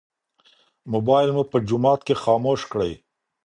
موبایل مو په جومات کې خاموش کړئ.